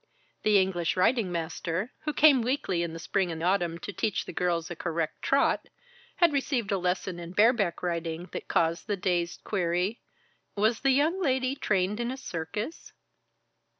The English riding master, who came weekly in the spring and autumn, to teach the girls a correct trot, had received a lesson in bareback riding that caused the dazed query: "Was the young lady trained in a circus?"